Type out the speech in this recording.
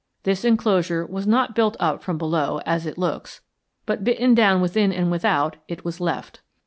This enclosure was not built up from below, as it looks, but bitten down within and without; it was left.